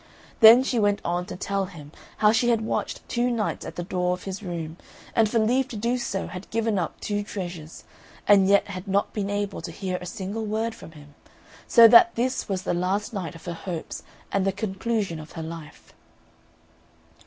Then she went on to tell him how she had watched two nights at the door of his room, and for leave to do so had given up two treasures, and yet had not been able to hear a single word from him, so that this was the last night of her hopes and the conclusion of her life.